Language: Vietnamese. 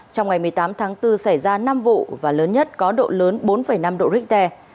trong ngày một mươi tám tháng bốn xảy ra năm vụ và lớn nhất có độ lớn bốn năm độ richter